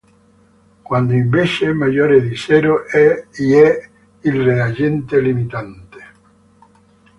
Quando invece è maggiore di zero, y è il reagente limitante.